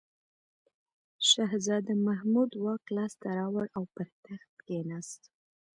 شهزاده محمود واک لاس ته راوړ او پر تخت کښېناست.